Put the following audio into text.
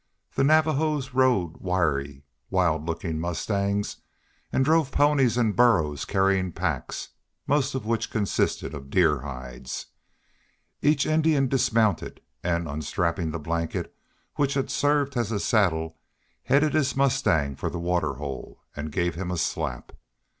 The Navajos rode wiry, wild looking mustangs and drove ponies and burros carrying packs, most of which consisted of deer hides. Each Indian dismounted, and unstrapping the blanket which had served as a saddle headed his mustang for the water hole and gave him a slap.